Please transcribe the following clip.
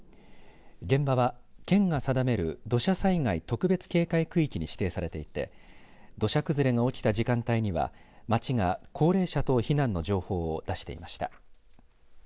現場は県が定める土砂災害特別警戒区域に指定されていて土砂崩れが起きた時間帯には町が高齢者等避難の情報を出していました。